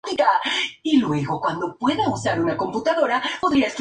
La liga era una organización liberal de costumbres.